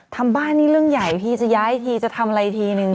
ทำบ้านนี่เรื่องใหญ่พี่จะย้ายทีจะทำอะไรทีนึง